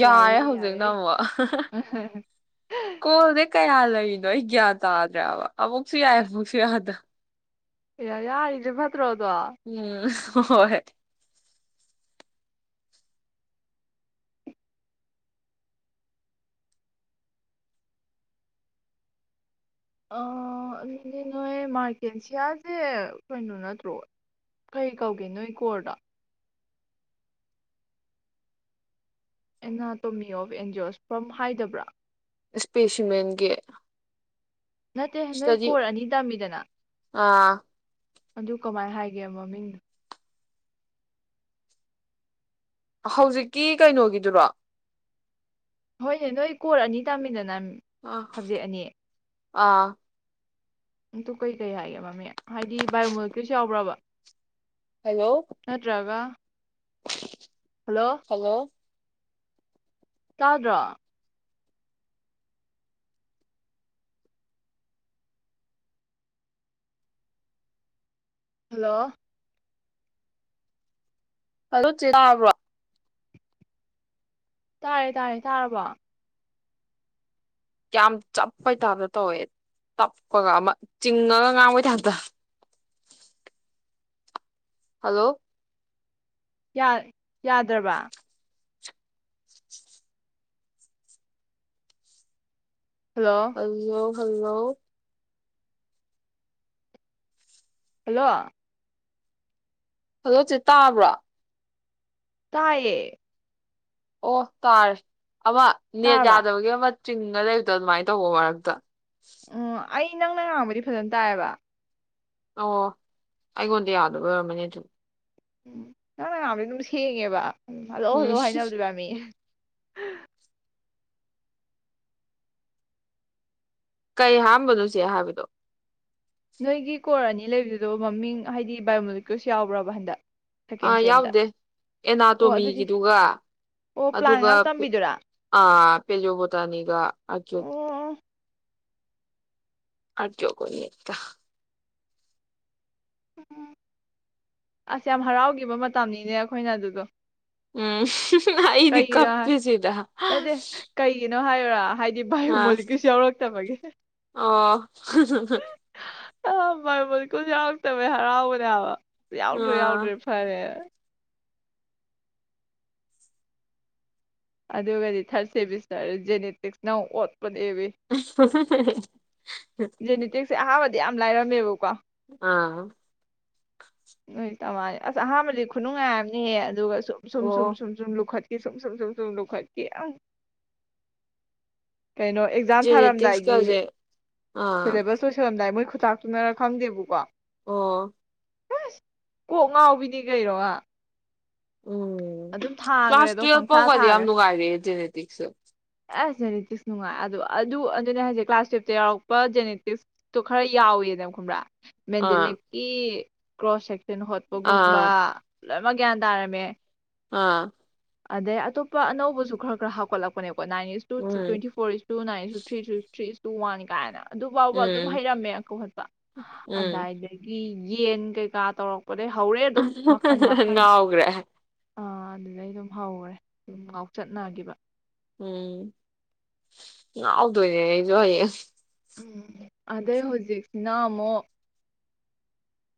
ꯌꯥꯔꯦ ꯍꯧꯖꯤꯛꯅ ꯀꯣꯜꯗ ꯀꯌꯥ ꯂꯩ ꯀꯒꯤꯩꯅꯣ ꯑꯩ ꯒ꯭ꯌꯥꯟ ꯇꯥꯗ꯭ꯔꯦꯕ ꯑꯃꯨꯛꯁꯨ ꯌꯥꯏ ꯑꯃꯨꯛꯁꯨ ꯌꯥꯗ ꯌꯥ ꯏ ꯎꯝ ꯍꯣꯏ ꯍꯣꯏ ꯑꯗꯨꯅꯦ ꯅꯣꯏ ꯃꯥꯔꯀꯦꯟꯁꯤꯌꯥꯁꯦ ꯀꯩꯅꯣ ꯅꯠꯇ꯭ꯔꯣ ꯀꯩ ꯀꯧꯒꯦ ꯅꯣꯏ ꯀꯣꯔꯗ ꯑꯦꯅꯥꯇꯣꯃꯤ ꯑꯣꯐ ꯑꯦꯟꯖꯦꯜꯁ ꯐ꯭ꯔꯣꯝ ꯍꯥꯏꯗꯕ꯭ꯔꯥ ꯏꯁꯄꯦꯁꯤꯃꯦꯟꯒ ꯅꯠꯇꯦ ꯅꯣꯏ ꯀꯣꯔ ꯑꯅꯤ ꯇꯝꯃꯤꯗꯅ ꯑꯥ ꯑꯗꯨ ꯀꯃꯥꯏꯅ ꯍꯥꯏꯒꯦ ꯃꯃꯤꯡꯗꯣ ꯍꯧꯖꯤꯛꯀꯤ ꯀꯩꯅꯣꯒꯤꯗꯨꯔꯣ ꯍꯣꯏꯅꯦ ꯅꯣꯏ ꯀ ꯀꯣꯔ ꯑꯅꯤ ꯇꯥꯃꯤꯟꯅꯅꯃꯤ ꯑꯥ ꯊꯕꯖꯦꯛ ꯑꯅꯤ ꯑꯥ ꯇ ꯀꯩꯀꯩ ꯍꯥꯏꯒꯦ ꯃꯃꯤ ꯍꯥꯏꯗꯤ ꯕꯥꯏꯑꯣꯃꯣꯜꯇꯔꯤꯁꯨ ꯌꯥꯎꯕ꯭ꯔꯕ ꯍꯜꯂꯣ ꯅ꯭ꯔꯒ ꯍꯜꯂꯣ ꯇꯥꯗ꯭ꯔ ꯍꯜꯂꯣ ꯆꯕ꯭ꯔ ꯇꯥꯔꯦ ꯇꯥꯔꯦ ꯇꯥꯔꯕꯣ ꯀꯌꯥꯝ ꯆꯞꯄꯩꯇꯥꯥꯞꯇ ꯇꯧꯋꯦ ꯇꯞꯄꯒ ꯑꯃ ꯆꯤꯡꯉꯒ ꯉꯥꯡꯕꯩ ꯇꯥꯞꯇ ꯍꯜꯂꯣ ꯌꯥꯔꯦ ꯌꯥꯗ꯭ꯔꯕ ꯍꯜꯂꯣ ꯑꯣ ꯍꯜꯂꯣ ꯍꯜꯂꯣ ꯍꯗꯣꯁꯦ ꯇꯥꯕ꯭ꯔꯥ ꯇꯌꯦ ꯑꯣ ꯇꯥꯔ ꯑꯃ ꯅ ꯇꯥꯔꯕ ꯌꯥꯗꯕꯒꯤ ꯑꯃ ꯆꯤꯡꯒ ꯂꯩꯨꯛꯇ ꯑꯗꯨꯃꯥꯏꯅ ꯇꯧꯕ ꯃꯔꯛꯇ ꯎꯝ ꯑꯩ ꯅꯪꯅ ꯉꯥꯡꯕꯗꯤ ꯐꯖꯅ ꯇꯥꯏꯑꯌꯦꯕ ꯑꯣ ꯑꯩꯉꯣꯟꯗ ꯌꯥꯗꯕ ꯑꯣꯏꯔꯝꯃꯅꯤ ꯑꯗꯨꯝ ꯎ ꯀ ꯑꯗꯨ ꯁꯦꯡꯉꯦꯕ ꯎꯝ ꯍꯂꯛꯣ ꯎꯝ ꯍꯜꯂꯣ ꯍꯥꯏꯅꯕꯗꯨ ꯌꯥꯃꯤ ꯀꯩ ꯍꯥꯝꯕꯅꯣꯁꯦ ꯍꯥꯏꯕꯗꯣ ꯅꯣꯏꯒꯤ ꯀꯣꯔ ꯑꯅꯤ ꯂꯩꯕꯗꯨꯗꯣ ꯃꯃꯤꯡ ꯍꯥꯏꯗꯤ ꯏꯑꯣꯃꯣꯂꯤꯀ꯭ꯣꯁ ꯌꯥꯎꯕ꯭ꯔꯕ ꯍꯟꯗꯛ ꯁꯦꯀꯦꯟ ꯑꯥ ꯁꯦꯝꯗ ꯌꯥꯎꯗꯦ ꯑꯣ ꯑꯗꯨꯗꯤ ꯑꯦꯅꯥꯇꯣꯃꯤꯒꯤꯗꯨꯒ ꯑꯣ ꯄ꯭ꯂꯥꯟ ꯑꯗꯨꯒ ꯉꯥꯛ ꯇꯝꯕꯤꯗꯨꯔꯥ ꯑ ꯄꯦꯖꯕ ꯇꯅꯤꯒ ꯑꯆꯠ ꯑꯣ ꯑ ꯀꯣ ꯀꯣꯏꯅꯤ ꯌꯦꯛꯇ ꯎꯝ ꯑꯁ ꯌꯥꯝ ꯍꯔꯥꯎꯈꯤꯕ ꯃꯇꯝꯅꯤꯅꯦ ꯑꯩꯈꯣꯏꯅ ꯑꯗꯨꯗꯣ ꯎꯝ ꯏꯗꯤ ꯀꯩꯒꯤꯅꯣ ꯀꯞꯁꯤꯗ ꯅꯠꯇꯦ ꯀꯩꯒꯤꯅꯣ ꯍꯥꯏꯔ ꯍꯥꯏ ꯑ ꯕꯥꯏꯑꯣꯃꯣꯂꯤꯀ꯭ꯌꯨꯜꯁ ꯌꯥꯎꯔꯛꯇꯕꯒꯤ ꯑꯣ ꯑ ꯃꯥꯥꯏ ꯀ ꯌꯥꯎꯛꯇꯃꯦ ꯍꯔꯥꯎꯕꯅꯦ ꯍꯥꯕ ꯌꯥꯎꯗꯣꯏ ꯑꯥ ꯌꯥꯎꯗꯣꯏ ꯐꯔꯦ ꯑꯗꯨꯒꯗꯤ ꯊꯥꯔꯠ ꯁꯦꯃꯤꯁꯇꯔ ꯖꯦꯅꯦꯇꯤꯛꯁꯅꯧ ꯑꯣꯠꯄ ꯅꯏ ꯎ ꯅꯤꯇꯁꯥ ꯌꯥꯝ ꯂꯥꯏꯔꯝꯃꯦꯕꯀꯣ ꯑꯥ ꯅꯣꯏ ꯇꯃ ꯑꯁ ꯑꯍꯥꯟꯕꯗꯤ ꯈꯨꯅꯨꯡꯉꯥꯏꯕꯅꯤꯍꯦ ꯑꯗꯨꯒ ꯁ ꯁꯨꯝ ꯁꯨꯝ ꯑꯣ ꯁꯁ ꯂꯣꯈ ꯁꯨꯝ ꯁꯨꯝ ꯁꯨꯝ ꯁ ꯂ ꯈꯀꯤ ꯀꯩꯅꯣ ꯑꯦꯛꯖꯥꯝ ꯊꯥꯔꯝꯗꯥꯏꯒꯤ ꯖꯦꯅꯦꯇꯤꯛꯁꯀꯁꯦ ꯑꯥ ꯁꯤꯂꯦꯕꯁꯁꯨ ꯁꯗꯥꯏꯣꯏ ꯈꯨꯇꯥꯛꯇꯨꯅꯔ ꯈꯪꯗꯦꯕꯨꯀꯣ ꯑꯣ ꯁ ꯀꯣꯛ ꯉꯥꯎꯕꯤꯅꯤ ꯀꯩꯔꯣ ꯎꯝ ꯀ꯭ꯂꯥꯁ ꯑꯗꯣ ꯇ꯭ꯋꯦꯜ ꯄꯪꯊꯥ ꯄꯥꯎ ꯀꯗꯤ ꯊꯥꯈ꯭ꯔꯦ ꯌꯥꯝꯅꯅꯨꯡꯉꯥꯏꯔꯤꯦ ꯦꯅꯦꯇꯤꯛꯁ ꯑꯁ ꯖꯦꯅꯦꯇꯤꯛꯁ ꯅꯨꯡꯉꯥꯏ ꯑꯗꯣ ꯑꯗꯨꯅꯦ ꯍꯧꯖꯤꯛ ꯀ꯭ꯂꯥꯁ ꯇꯨꯌꯦꯞꯇ ꯌꯥꯎꯔꯛꯄ ꯖꯦꯅꯦꯇꯤꯛꯁꯇꯣ ꯈꯔ ꯌꯥꯎꯏꯦꯗꯅ ꯈꯕ꯭ꯔꯥ ꯃꯗ ꯑꯥ ꯂꯩꯀꯤ ꯀ꯭ꯔꯣꯁ ꯁꯦꯟ ꯍꯣꯠꯄꯒꯨꯝꯕ ꯑꯥ ꯂꯣꯏꯅꯃꯛ ꯒ꯭ꯌꯥꯟ ꯇꯥꯔꯝꯃꯦ ꯑꯥ ꯑꯗꯩ ꯑꯇꯣꯞꯄ ꯑꯅꯧꯕꯁꯨ ꯈꯔ ꯈꯔ ꯍꯥꯞꯀꯠꯂꯛꯄꯅꯦꯕꯣ in is two um twenty four is ꯇꯨꯟ three three two ꯃꯥꯅꯤ ꯀꯥꯏꯅ ꯑꯗꯨ ꯐꯥꯎꯕ ꯑꯗꯨꯝ ꯎꯝ ꯍꯩꯔꯝꯃꯦ ꯑꯀꯣ ꯍꯠꯄ ꯎꯝ ꯑꯗꯨꯏꯗꯒꯤ ꯌꯦꯟ ꯀꯩꯀꯥ ꯇꯧꯔꯛꯄ ꯍꯪꯎꯒ꯭ꯔꯦ ꯑ ꯑꯗꯨꯗꯥꯏ ꯑꯗꯨꯝ ꯍꯧꯔꯦ ꯑꯗꯨꯝ ꯉꯥꯎꯆꯠꯅꯈꯤꯕ ꯎꯝꯥꯎꯗꯅꯦꯁꯨꯏ ꯎꯝ ꯑꯗꯩ ꯍꯧꯖꯤꯛꯁꯤꯅ ꯑꯃꯨꯛ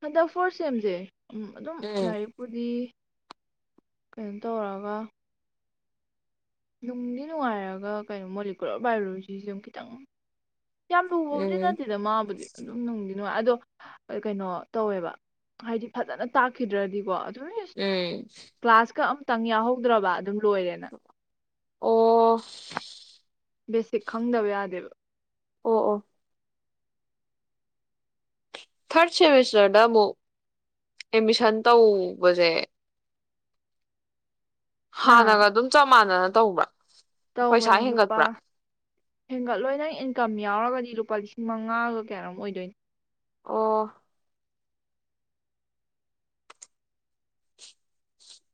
ꯍꯟꯗꯛ ꯐꯣꯔ ꯁꯦꯝꯁꯦ ꯎꯝ ꯑꯗꯨꯝ ꯎꯝ ꯂꯥꯏꯔꯤꯛꯄꯨꯗꯤ ꯀꯩꯅ ꯇꯧꯔꯒ ꯅꯨꯡꯗꯤ ꯅꯨꯡꯉꯥꯏꯔꯒ ꯀꯩꯅꯣ ꯃꯣꯂꯤꯀꯨꯂꯔ ꯕꯥꯏꯑꯣꯂꯣꯖꯤꯁꯦ ꯑꯗꯨꯝ ꯈꯤꯇꯪ ꯌꯥꯝ ꯂꯨꯕꯕꯨꯗꯤ ꯎꯝ ꯅꯠꯇꯦꯗ ꯃꯥꯕꯨꯗꯤ ꯑꯗꯨꯝ ꯅꯨꯡꯒꯤ ꯅꯨꯡꯉꯥꯏ ꯑꯗꯣ ꯀꯩꯅꯣ ꯇꯧꯋꯦꯕ ꯍꯥꯏꯗꯤ ꯐꯖꯅ ꯇꯥꯛꯈꯤꯗ꯭ꯔꯗꯤꯀꯣ ꯎꯝ ꯀ꯭ꯂꯥꯁ ꯀ ꯈꯤꯇꯪ ꯌꯥꯎꯍꯧꯗ꯭ꯔꯕ ꯑꯗꯨꯝ ꯂꯣꯏꯔꯦꯅ ꯑꯣ ꯕꯦꯁꯤꯛ ꯈꯪꯗꯕ ꯌꯥꯗꯦꯕ ꯑꯣ ꯑꯣ ꯊꯥꯔꯠ ꯁꯦꯃꯤꯁꯇꯔꯗ ꯑꯃꯨꯛ ꯑꯦꯠꯃꯤꯁꯟ ꯇꯧꯕꯁꯦ ꯑꯥ ꯍꯅꯒꯥ ꯑꯗꯨꯝ ꯆꯞ ꯃꯥꯅ ꯇꯧꯕ ꯇꯧꯕꯅꯦ ꯂꯨꯄꯥ ꯍꯦꯟꯒꯠꯂꯣꯏ ꯅꯪ ꯏꯟꯀꯝ ꯌꯥꯎꯔꯒꯗꯤ ꯂꯨꯄꯥ ꯂꯤꯁꯤꯡ ꯃꯉꯥꯒ ꯀꯌꯥꯅꯣꯝ ꯑꯣꯏꯗꯣꯏꯅꯤ ꯑꯣ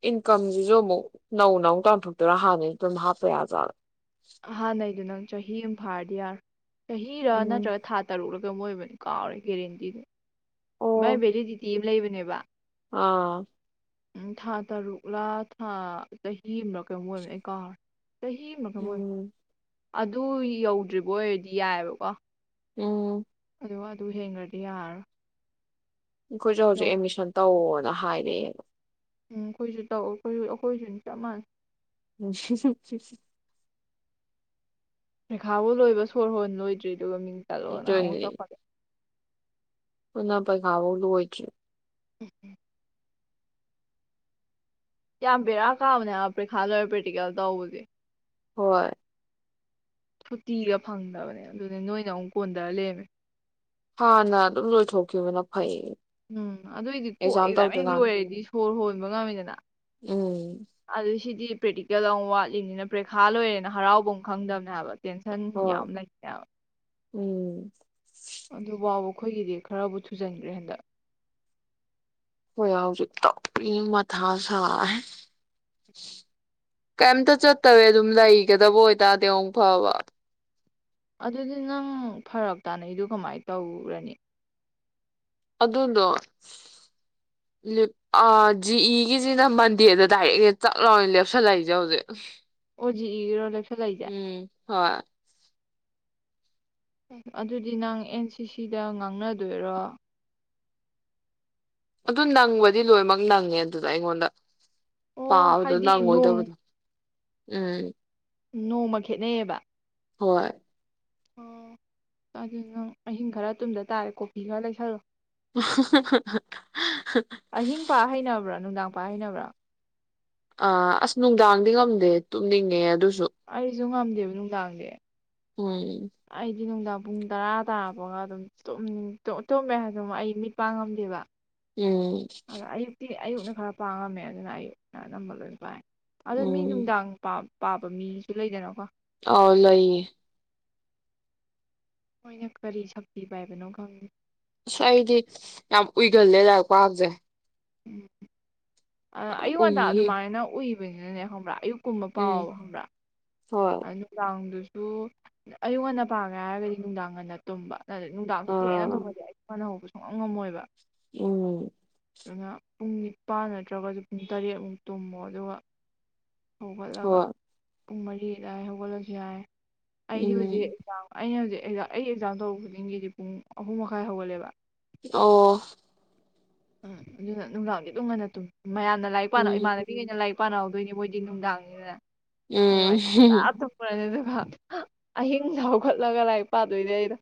ꯏꯟꯀꯝꯁꯤꯁꯨ ꯑꯃꯨꯛ ꯅꯧꯅ ꯇꯥꯟꯊꯣꯛꯇꯣꯢꯔꯣ ꯍꯥꯟꯅꯩ ꯑꯗꯨꯝ ꯍꯥꯞꯄ ꯌꯖꯥꯠꯂꯥ ꯍꯥꯟꯅꯩꯗꯨ ꯅꯪ ꯆꯍꯤ ꯑꯃ ꯐꯥꯔꯗꯤ ꯌꯥꯔꯣꯢ ꯆꯍꯤꯔ ꯎꯝ ꯅꯠꯇ꯭ꯔꯒ ꯊꯥ ꯇꯔꯨꯛꯔ ꯑꯣꯏꯕꯅꯤ ꯀꯥꯎꯔꯦ ꯒꯦꯔꯦꯟꯇꯤꯗꯤ ꯃꯥꯢ ꯑꯣ ꯕꯦꯂꯦꯗꯤꯇꯤ ꯂꯩꯕꯅꯦꯕ ꯑꯥ ꯎꯝ ꯊꯥ ꯇꯔꯨꯛꯂꯥ ꯊꯥ ꯆꯍꯤ ꯑꯃꯔꯥ ꯀꯩꯅꯣꯝ ꯑꯣꯏꯕꯅꯤ ꯑꯩ ꯀꯥꯎꯔꯦ ꯆꯍꯤ ꯑꯃꯔ ꯀꯩꯅꯣꯝ ꯑꯣꯢꯕꯅꯤ ꯎꯝ ꯑꯗꯨ ꯌꯧꯗ꯭ꯔꯤꯕ ꯑꯣꯏꯔꯗꯤ ꯌꯥꯏꯑꯕꯀꯣ ꯎꯝ ꯑꯗ ꯑꯗꯨ ꯍꯦꯟꯒ꯭ꯔꯗꯤ ꯌꯥꯔꯔꯣꯏ ꯑꯩꯈꯣꯏꯁꯨꯦ ꯍꯧꯖꯤꯛ ꯅꯧꯔꯦ. ꯑꯦꯗꯃꯤꯁꯟ ꯇꯧꯋꯣꯅ ꯍꯥꯏ ꯑꯦ ꯎꯝ ꯑꯩꯈꯣꯏꯁꯨ ꯇꯧ ꯑꯩꯈꯣꯏꯁꯨ ꯑꯩꯈꯣꯏꯁꯨ ꯆꯞ ꯃꯥꯟꯅꯩ ꯎ ꯆ [unintelligible] ꯄꯩꯈꯥꯕꯨ ꯂꯣꯏꯕ ꯁꯣꯔ ꯍꯣꯟ ꯂꯣꯏꯗ꯭ꯔꯤ ꯑꯗꯨꯒ ꯃꯤꯡꯆꯜꯂꯣꯅ ꯑꯃꯨꯛ ꯑꯗꯨꯅꯤ ꯇꯧꯈꯠꯂꯛꯑꯦ ꯅꯥꯟ ꯄꯩꯈꯥꯕꯎ ꯂꯣꯢꯗ꯭ꯔꯤ ꯌꯥꯝ ꯕꯦꯔꯥ ꯀꯥꯕꯅꯦ ꯍꯥꯏꯕ ꯄꯩꯈꯥ ꯂꯣꯏꯔ ꯄ꯭ꯔꯦꯛꯇꯤꯀꯦꯜ ꯇꯧꯕꯁꯦ ꯍꯣꯏ ꯁꯨꯇꯤꯒ ꯐꯪꯗꯕꯅꯦ ꯑꯗꯨꯒ ꯅꯣꯏꯅ ꯑꯃꯨꯛ ꯀꯣꯟꯗꯔ ꯂꯩꯔꯝꯃꯤ ꯍꯥꯟꯅ ꯑꯗꯨꯝ ꯂꯣꯏꯊꯣꯛꯈꯤꯕꯅ ꯐꯩ ꯎꯝ ꯑꯗꯨꯏꯗꯤ ꯀꯣꯛꯑ ꯑꯦꯛꯖꯥꯝ ꯑꯗꯨ ꯍꯦꯛ ꯇꯧꯗ꯭ꯔꯤꯀꯥꯟ ꯂꯣꯏꯔꯗꯤ ꯁꯣꯔ ꯍꯣꯟꯕ ꯉꯝꯃꯤꯗꯅ ꯎꯝ ꯑꯗꯨ ꯁꯤꯗꯤ ꯗꯤ ꯄ꯭ꯔꯦꯛꯇꯤꯀꯦꯜ ꯑꯃꯨꯛ ꯋꯥꯠꯂꯤꯝꯅꯤꯅ ꯄꯩꯈꯥ ꯂꯣꯏꯔꯦꯅ ꯍꯔꯥꯎꯕꯝ ꯈꯪꯗꯕꯅꯦ ꯍꯥꯏꯕ ꯇꯦꯟꯁꯟ ꯍꯣꯏ ꯌꯥꯝ ꯂꯩꯌꯦꯕ ꯎꯝ ꯑꯗꯨꯐꯥꯎꯕ ꯑꯩꯈꯣꯏꯒꯤꯗꯤ ꯈꯔꯕꯨ ꯊꯨꯖꯟꯈ꯭ꯔꯦ ꯍꯟꯗꯛ ꯍꯣꯏ ꯍꯧꯖꯤꯛꯇꯥꯎ ꯃꯊꯥ ꯁꯥꯦ ꯀꯩꯝꯇ ꯆꯠꯇꯋꯦ ꯑꯗꯨꯝ ꯂꯩꯒꯗꯕ ꯑꯣꯏꯇꯥꯔꯗꯤ ꯐꯕ ꯑꯗꯨꯗꯤ ꯅꯪ ꯐꯔꯛ ꯇꯥꯅꯩꯗꯨ ꯀꯃꯥꯏꯅ ꯇꯧꯔꯅꯤ ꯑꯗꯨꯗꯣ ꯖꯤ ꯏꯒꯤꯁꯤꯅ ꯃꯟꯗꯦꯗ ꯗꯥꯏꯔꯦꯛ ꯆꯥꯛ ꯂꯥꯎꯅ ꯂꯦꯞꯁꯜꯂꯛꯏꯁꯦ ꯍꯧꯖꯤꯛ ꯑꯣꯖꯤ ꯏꯔꯣꯂ ꯎꯝ ꯍꯣꯏ ꯑꯗꯨꯗꯤ ꯅꯪ ꯑꯦꯟ ꯁꯤ ꯁꯤꯗ ꯉꯥꯡꯅꯗꯣꯏꯔꯣ ꯑꯗꯨ ꯅꯪꯕꯗꯤ ꯂꯣꯏꯅꯃꯛ ꯅꯪꯉꯦ ꯑꯗꯨꯗ ꯑꯩꯉꯣꯟꯗ ꯍꯥ ꯑꯣ ꯑꯗꯨꯗ ꯍꯥꯏꯗꯤ ꯅꯪ ꯅꯣꯡ ꯑꯣꯏꯣꯏꯗꯕꯗꯨ ꯎꯝ ꯅꯣꯡꯃ ꯈꯦꯠꯅꯩꯌꯦꯕ ꯍꯣꯏ ꯑꯣ ꯑꯗꯨ ꯅꯪ ꯑꯍꯤꯡ ꯈꯔ ꯇꯨꯝꯗ ꯇꯥꯔꯦ ꯀꯣꯐꯤ ꯈꯔ ꯂꯩꯁꯜꯂꯣ [unintelligible] ꯄꯥꯏꯅꯕ꯭ꯔꯥ ꯑꯥ ꯑꯁ ꯅꯨꯡꯗꯥꯡꯗꯤ ꯉꯝꯗꯦ ꯇꯨꯝꯅꯤꯡꯉꯦ ꯑꯗꯨꯁꯨ ꯑꯩꯁꯨ ꯉꯝꯗꯦꯕ ꯅꯨꯡꯗꯥꯡꯗꯤ ꯎꯝ ꯑꯩꯗꯤ ꯅꯨꯡꯗꯥꯡ ꯄꯨꯡ ꯇꯔꯥ ꯇꯥꯔꯛꯄꯒ ꯑꯗꯨꯝ ꯇꯨꯝꯃꯦ ꯍꯥꯏꯔꯗ ꯑꯩ ꯃꯤꯠ ꯄꯥꯡꯉꯝꯗꯦꯕ ꯎꯝ ꯑꯩ ꯑꯌꯨꯛꯅ ꯈꯔ ꯄꯥꯡꯉꯝꯃꯦ ꯑꯗꯨꯅ ꯑꯌꯨꯛꯅ ꯑꯅꯝꯕ ꯂꯣꯏ ꯄꯥꯏ ꯑꯗꯨꯣ ꯃꯤ ꯎꯝ ꯅꯨꯡꯗꯥꯡ ꯄꯥꯝ ꯄꯥꯕ ꯃꯤꯁꯨ ꯂꯩꯗꯅꯀꯣ ꯑꯥꯎ ꯂꯩꯌꯦ ꯃꯣꯏꯅ ꯀꯔꯤ ꯁꯛꯇꯤ ꯄꯥꯏꯕꯅꯣ ꯈꯪꯗꯦ ꯑꯁ ꯑꯩꯗꯤ ꯌꯥꯝ ꯎꯨꯏꯒꯜꯂꯦ ꯂꯥꯛꯔꯛꯄ ꯍꯥꯏꯕꯁꯦ ꯎꯝ ꯑ ꯑꯌꯨꯛ ꯉꯇꯥ ꯎꯏꯌꯦ ꯑꯗꯨꯃꯥꯏꯅ ꯎꯏ ꯅꯦ ꯀꯨꯝꯕ ꯎꯝ ꯄꯥꯎꯕꯪꯕ꯭ꯔꯥ ꯍꯣꯏ ꯑꯗꯨ ꯇꯥꯎꯗ ꯑꯗꯨ ꯑꯌꯨꯛ ꯉꯟꯅ ꯄꯥꯒ꯭ꯔꯦ ꯍꯥꯏꯔꯒꯗꯤ ꯅꯨꯡꯗꯥꯡ ꯉꯟꯅ ꯇꯨꯝꯕ ꯅꯨꯡꯗꯥꯡꯁꯨ ꯊꯦꯅ ꯑꯥ ꯊꯝꯗꯤ ꯑꯩ ꯐꯅ ꯍꯧꯕꯁꯨ ꯍ ꯉꯝꯃꯣꯏꯕ ꯎꯝ ꯑꯗꯨꯅ ꯄꯨꯡ ꯅꯤꯄꯥꯟ ꯅꯠꯇ꯭ꯔꯒꯁꯨ ꯄꯨꯡ ꯇꯔꯦꯠꯃꯨꯛ ꯇꯨꯝꯃꯣ ꯑꯗꯨꯒ ꯍꯧꯒꯠꯂꯒ ꯍꯣꯏ ꯄꯨꯡ ꯃꯔꯤ ꯑꯗꯨꯋꯥꯏ ꯍꯧꯒꯠꯂꯁꯨ ꯌꯥꯏ ꯑꯩꯗꯤ ꯍꯧꯖꯤ ꯎꯝ ꯑꯩꯅ ꯍꯧꯖꯤꯛ ꯑꯩ ꯑꯦꯛꯖꯥꯝ ꯇꯧꯕ ꯈꯨꯗꯤꯡꯒꯤꯗꯤ ꯄꯨꯡ ꯑꯍꯨꯝ ꯃꯈꯥꯏ ꯍꯧꯒꯠꯂꯦꯕ ꯑꯣ ꯑ ꯑꯗꯨꯅ ꯅꯨꯡꯗꯥꯡꯗꯤ ꯑꯗꯨꯝ ꯉꯥꯟꯟꯅ ꯇꯨꯝꯃꯤ ꯃꯌꯥꯝꯅ ꯂꯥꯏꯔꯤꯛ ꯄꯥ ꯎꯝ ꯏꯃꯥꯟꯕꯤꯒꯤ ꯑꯣꯏꯅ ꯂꯥꯏꯔꯤꯛ ꯄꯥꯟꯅꯥꯎꯗꯣꯏꯅꯦ ꯃꯣꯏꯗꯤ ꯅꯨꯡꯗꯥꯡꯅꯤꯗꯅ ꯑꯗꯨ ꯃ ꯎꯝ ꯇ ꯄꯨꯗ ꯑꯗꯨ ꯑꯍꯤꯡꯁ ꯍꯧꯒꯠꯂꯒ ꯂꯥꯏꯔꯤꯛ ꯄꯥꯗꯣꯏꯅꯦ ꯑꯩꯅ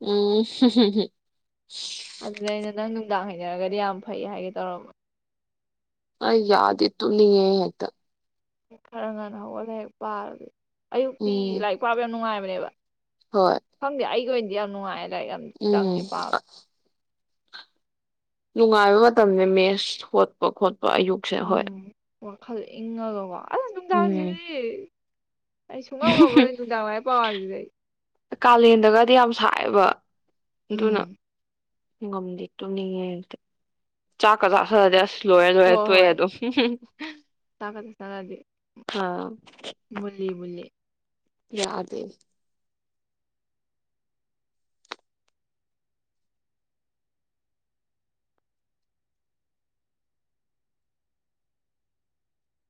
ꯎꯝ ꯍ ꯍ ꯑꯗꯨꯗ ꯑꯩꯅ ꯅꯪ ꯅꯨꯡꯗꯥꯡ ꯍꯩꯅꯔꯒꯗꯤ ꯌꯥꯝ ꯐꯩ ꯍꯥꯏꯒꯦ ꯇꯧꯔꯃ ꯑ ꯌꯥꯗ ꯏ ꯇꯨꯅꯤꯌꯦꯗ ꯈꯔ ꯉꯥꯟ ꯍꯧꯒꯂ ꯍꯦꯛ ꯄꯥꯔꯗꯤ ꯑꯌꯨꯛꯇꯤ ꯎꯝ ꯂꯥꯏꯔꯤꯛ ꯄꯥꯕ ꯌꯥ ꯌꯥꯝ ꯅꯨꯡꯉꯥꯏꯕ ꯕ ꯍꯣꯏ ꯈꯪꯗꯦ ꯑꯩꯒꯤ ꯑꯣꯏꯅ ꯅꯉ ꯌꯥꯝ ꯎꯝ ꯆꯪꯉꯦ ꯄꯥꯝ ꯅꯨꯡꯉꯥꯏꯕ ꯃꯇꯝ ꯃꯦꯁ ꯍꯣꯠꯄ ꯈꯣꯠꯄ ꯌꯨꯛꯁ ꯍꯣꯏ ꯈꯜꯂ ꯏꯪꯉꯜꯂꯣꯀꯣ ꯑꯁ ꯎꯝ ꯅꯨꯡꯗꯥꯡꯁꯤꯗꯤ ꯑꯩ ꯁꯨꯡꯉꯝ ꯉꯝꯃꯔꯣꯏ ꯅꯨꯡꯗꯥꯡ ꯂꯥꯏꯔꯤꯛ ꯄꯥꯕꯁꯤꯗꯤ ꯑꯩ ꯀꯥꯂꯦꯟꯗꯒꯗꯤ ꯌꯥꯝ ꯁꯥꯏꯑꯦꯕ ꯎꯝ ꯝꯗꯤ ꯇꯨꯝꯅꯤꯡꯉꯦ ꯆꯥꯛꯀ ꯆꯥꯊꯗꯤꯦ ꯑꯁ ꯂꯣꯏꯔꯦ ꯂꯣꯏꯔꯦ ꯍꯣꯏ ꯇꯣꯏꯑꯦ ꯍꯣꯏ ꯑꯗꯨꯝ ꯆꯥꯛꯀ ꯆꯥꯅꯗꯦ ꯑ ꯃꯨꯜꯂꯤ ꯃꯨꯜꯂꯤ ꯌꯥꯗꯦ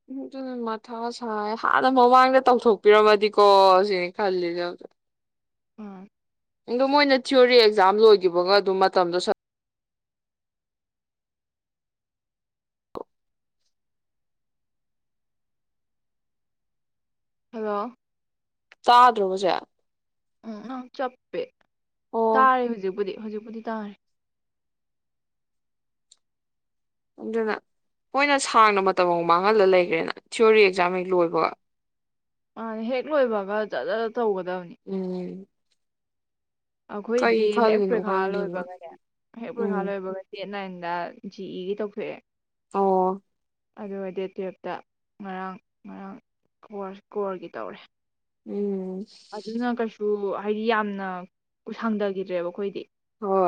ꯎꯝ ꯑꯗꯨ ꯃꯊꯥ ꯁꯥꯏ ꯍꯥꯟꯅ ꯃꯃꯥꯡꯗ ꯇꯧꯊꯣꯛꯄꯤꯔꯝꯃꯗꯤꯀꯣ ꯁꯤꯅꯤ ꯈꯜꯂꯤꯁꯦ ꯍꯧꯖꯤ ꯑꯥ ꯑꯗꯣ ꯃꯣꯏꯅ ꯊꯤꯑꯣꯣꯔꯤ ꯑꯦꯛꯖꯥꯝ ꯂꯣꯏꯈꯤꯕꯒ ꯑꯗꯨꯝ ꯃꯇꯝꯗꯣ ꯍꯂꯣ ꯆꯥꯗ ꯔꯣꯖꯦ ꯎꯝꯪ ꯆꯄꯦ ꯑꯣ ꯇꯥꯔꯦ ꯍꯧꯖꯤꯛꯕꯨꯨꯗꯤ ꯍꯧꯖꯤꯛꯕꯨꯨꯗꯤ ꯇꯥꯔꯦ ꯑꯗꯨꯅ ꯃꯣꯏꯅ ꯁꯥꯡꯅ ꯃꯇꯝ ꯑꯃ ꯃꯥꯡꯍꯜꯂ ꯂꯩꯈ꯭ꯔꯦꯅ ꯊꯤꯑꯣꯣꯔꯤ ꯑꯦꯛꯖꯥꯝ ꯍꯦꯛ ꯂꯣꯏꯕꯒ ꯑ ꯍꯦꯛ ꯂꯣꯏꯕꯒ ꯇꯧꯒꯗꯕꯅꯤ ꯎꯝ ꯑꯩꯈꯣꯏꯗꯤ ꯀꯩ ꯍꯦꯛ ꯈꯜꯂꯤꯅꯣ ꯄꯔꯤꯈꯥ ꯈꯪꯗꯦꯅꯦ ꯂꯣꯏꯕꯒꯅꯦ ꯍꯦꯛ ꯎꯝ ꯄꯔꯤꯈꯥ ꯂꯣꯏꯕꯒꯗꯤꯠ ꯅꯥꯏꯟꯗ ꯖꯤ ꯏꯒꯤ ꯇꯧꯊꯣꯛꯑꯦ ꯑꯣ ꯑꯗꯨꯒ ꯗꯦꯠ ꯇꯨꯌꯦꯜꯞꯇ ꯉꯔꯥꯡ ꯉꯔꯥꯡ ꯀ ꯀꯣꯔꯒꯤ ꯇꯧꯔꯦ ꯎꯝ ꯑꯗꯨꯅ ꯀꯩꯁꯨ ꯍꯥꯏꯗꯤ ꯌꯥꯝꯅ ꯀ ꯁꯪꯗꯈꯤꯗ꯭ꯔꯦꯕ ꯑꯩꯈꯣꯏꯗꯤ ꯍꯣꯏ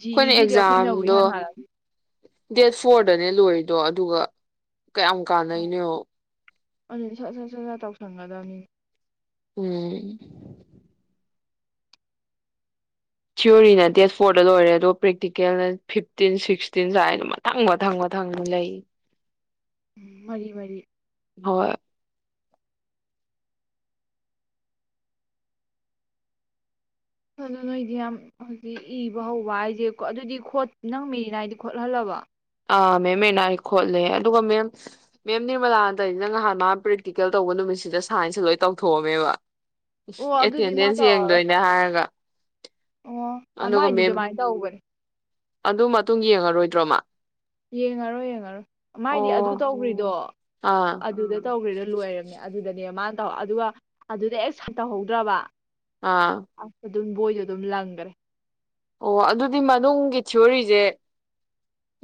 ꯖꯤ ꯏꯒꯤꯗꯤ ꯑꯩꯈꯣꯏꯅꯕꯨ ꯑꯦꯛꯖꯥꯝꯗꯣ ꯏꯍꯥꯟ ꯍꯥꯜꯂꯅꯤ ꯗꯦꯠ ꯐꯣꯔꯗꯅꯦ ꯂꯣꯏ ꯑꯗꯣ ꯑꯗꯨꯒ ꯀꯌꯥꯝ ꯀꯥꯟꯅꯩꯅꯣ ꯑꯗꯨꯗꯤ ꯁꯠ ꯁꯠ ꯁꯠ ꯁꯠ ꯇꯧꯁꯟꯒꯗꯕꯅꯤ ꯎꯝ ꯊꯤꯑꯣꯣꯔꯤꯅ ꯗꯦꯠ ꯐꯣꯔꯗ ꯂꯣꯏꯔꯦ ꯑꯗꯣ ꯄ꯭ꯔꯦꯛꯇꯤꯀꯦꯜꯅ ꯐꯤꯞꯇꯤꯟ ꯁꯤꯛꯁꯇꯤꯟ ꯁꯨꯥꯏꯅ ꯃꯊꯪ ꯃꯊꯪ ꯃꯊꯪ ꯂꯩ ꯎꯝ ꯃꯔꯤ ꯃꯔꯤ ꯍꯣꯏ ꯑꯗꯨ ꯅꯣꯏꯗꯤ ꯌꯥꯝ ꯍꯧꯖꯤꯛ ꯏꯕ ꯍꯧꯕ ꯍꯥꯏꯁꯦꯣ ꯑꯗꯨꯗꯤ ꯅꯪ ꯃꯤꯔꯤꯅ ꯍꯥꯏꯗꯤ ꯈꯣꯠꯍꯜꯂꯕ ꯑ ꯃꯦꯝ ꯃꯦꯅꯥꯔꯤ ꯈꯣꯠꯂꯦ ꯑꯗꯨꯒ ꯃꯦꯝ ꯃꯦꯝ ꯅꯤꯔꯃꯂꯥ ꯑꯟꯗꯅꯤꯅ ꯅꯍꯥꯟ ꯃꯥ ꯄ꯭ꯔꯦꯛꯇꯤꯀꯦꯜ ꯇꯧꯕ ꯅꯨꯃꯤꯠꯁꯤꯗ ꯁꯥꯏꯟꯁꯇ ꯂꯣꯏ ꯇꯧꯊꯣꯛꯑꯝꯃꯦꯕ ꯑꯣ ꯑꯗꯨꯗꯤ ꯃꯥ ꯑꯦꯇꯦꯟꯗꯦꯟꯁ ꯇꯧꯔꯔꯣꯏ ꯌꯦꯡꯗꯣꯏꯅꯦ ꯍꯥꯏꯔꯒ ꯑꯣ ꯑꯗꯨꯒ ꯃꯥꯏꯗꯤ ꯃꯦꯝ ꯑꯗꯨꯃꯥꯏꯅ ꯇꯧꯕꯅꯤ ꯑꯗꯨ ꯃꯇꯨꯡ ꯌꯦꯡꯉꯔꯣꯏꯗ꯭ꯔꯣꯃ ꯌꯦꯡꯉꯔꯣꯏ ꯌꯦꯡꯉꯔꯣꯏ ꯃꯥꯏꯗꯤ ꯑꯗꯨ ꯑꯣ ꯇꯧꯈ꯭ꯔꯤꯗꯣ ꯑꯥ ꯑꯗꯨꯗ ꯇꯧꯈ꯭ꯔꯦꯗ ꯂꯣꯏꯔꯝꯅꯦ ꯑꯗꯨꯗꯅꯦ ꯃꯥꯅ ꯇꯧ ꯑꯗꯨꯒ ꯑꯗꯨꯗ ꯑꯦ ꯁꯥꯏ ꯇꯧꯍꯧꯗ꯭ꯔꯕ ꯑꯥ ꯑꯁ ꯑꯗꯨꯝ ꯕꯣꯏꯗꯣ ꯑꯗꯨꯝ ꯂꯪꯈꯔꯦ ꯑꯣ ꯑꯗꯨꯗꯤ ꯃꯅꯨꯡꯒꯤ ꯊꯤꯑꯣꯣꯔꯤꯁꯦ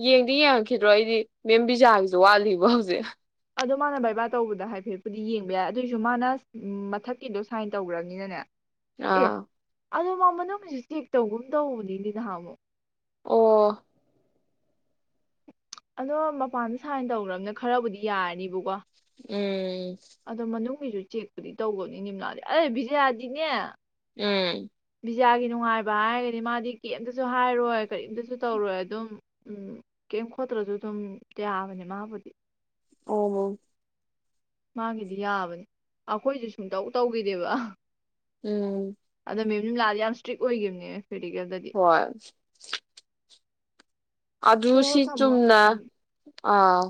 ꯌꯦꯡꯗꯤ ꯌꯦꯡꯉꯛꯈꯤꯗ꯭ꯔꯣ ꯑꯩꯗꯤ ꯃꯦꯝ ꯕꯤꯖꯥꯒꯤꯁꯨ ꯋꯥꯠꯂꯤꯕ ꯍꯧꯖꯤꯛ ꯑꯗꯣ ꯃꯥꯅ ꯕꯥꯏꯕꯥꯔ ꯇꯧꯕꯗ ꯍꯥꯏꯐꯦꯠꯄꯨꯗꯤ ꯌꯦꯡꯕ ꯌꯥꯏ ꯑꯗꯨꯑꯣꯏꯁꯨ ꯃꯥꯅ ꯃꯊꯛꯀꯤꯗꯣ ꯁꯥꯏꯟ ꯇꯧꯈ꯭ꯔꯅꯤꯅꯅꯦ ꯑꯥ ꯑꯗꯣ ꯃꯥ ꯃꯅꯨꯡꯒꯤꯁꯨ ꯆꯦꯛ ꯇꯧꯒꯨꯝ ꯇꯧꯕꯧꯕꯅꯤꯅꯦ ꯅꯍꯥꯟ ꯑꯃꯨꯛ ꯑꯣ ꯑꯗꯣ ꯃꯄꯥꯟꯗ ꯁꯥꯏꯟ ꯇꯧꯈ꯭ꯔꯕꯅ ꯈꯔꯕꯨꯗꯤ ꯌꯥꯔꯅꯤꯕꯀꯣ ꯎꯝ ꯑꯗꯣ ꯃꯅꯨꯡꯒꯤꯁꯨ ꯆꯦꯛꯄꯨꯗꯤ ꯇꯧꯒꯅꯤ ꯅꯤꯝꯂꯥꯗꯤ ꯑꯩ ꯕꯤꯖꯌꯥꯗꯤꯅꯦ ꯎꯝ ꯄꯤꯖꯥꯒꯤ ꯅꯨꯡꯉꯥꯏꯕ ꯍꯥꯏꯔꯒꯗꯤ ꯃꯥꯗꯤ ꯀꯔꯤꯝꯇꯁꯨ ꯍꯥꯏꯔꯣꯏ ꯀꯔꯤꯝꯇꯁꯨ ꯇꯧꯔꯣꯏ ꯑꯗꯨꯝꯝ ꯀꯔꯤꯝ ꯈꯣꯠꯇ꯭ꯔꯁꯨ ꯑꯗꯨꯝ ꯌꯥꯕꯅꯦ ꯃꯥꯕꯨꯗꯤ ꯑ ꯃꯥꯒꯤꯗꯤ ꯌꯥꯕꯅꯤ ꯑꯩꯈꯣꯏꯁꯨ ꯁꯨꯡꯇꯧ ꯇꯧꯈꯤꯗꯦꯕ ꯎꯝ ꯑ ꯃꯦꯝꯝ ꯂꯥꯑꯗꯤ ꯌꯥꯝ ꯏꯁꯇ꯭ꯔꯤꯛ ꯑꯣꯏꯈꯤꯕꯅꯦ ꯄ꯭ꯔꯦꯛꯇꯤꯀꯦꯜꯗꯗꯤ ꯍꯣꯏ ꯑꯗꯨ ꯍꯣ ꯍꯣ ꯁꯤ ꯊꯝꯃꯣ ꯆꯨꯝꯅ ꯑꯃꯨꯛ ꯑꯥ